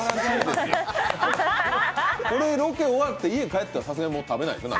これ、ロケ終わって家帰ったらさすがにもう食べないでしょ？